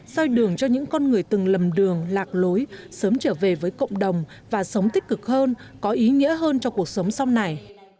xoay đường cho những con người từng lầm đường lạc lối sớm trở về với cộng đồng và sống tích cực hơn có ý nghĩa hơn cho cuộc sống sau này